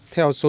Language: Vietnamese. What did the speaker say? theo số tư vấn